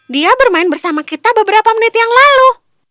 dia bermain bersama kita beberapa menit yang lalu